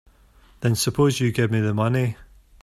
Then suppose you give me the money.